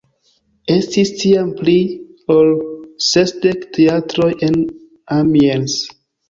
Estis tiam pli ol sesdek teatroj en Amiens.